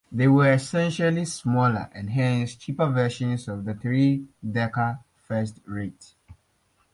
They were essentially smaller and hence cheaper versions of the three-decker first rates.